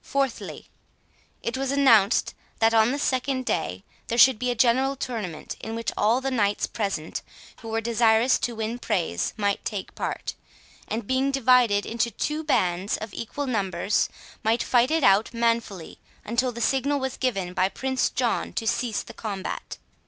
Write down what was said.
Fourthly, it was announced, that, on the second day, there should be a general tournament, in which all the knights present, who were desirous to win praise, might take part; and being divided into two bands of equal numbers, might fight it out manfully, until the signal was given by Prince John to cease the combat.